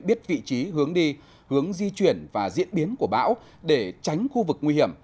biết vị trí hướng đi hướng di chuyển và diễn biến của bão để tránh khu vực nguy hiểm